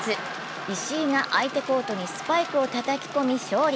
石井が相手コートにスパイクをたたき込み勝利。